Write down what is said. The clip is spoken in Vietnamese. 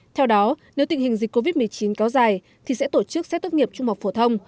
theo đó nếu tình hình dịch covid một mươi chín kéo dài thì sẽ tổ chức xét tốt nghiệp trung học phổ thông